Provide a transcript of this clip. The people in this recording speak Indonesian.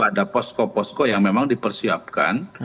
ada posko posko yang memang dipersiapkan